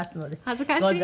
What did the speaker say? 恥ずかしい。